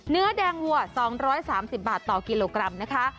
เนื้อแดงวัว๒๓๐บาทต่อกิโลกรัมนะคะ